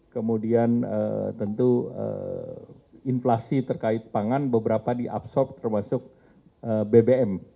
kemudian tentu inflasi terkait pangan beberapa di absorb termasuk bbm